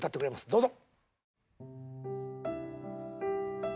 どうぞ。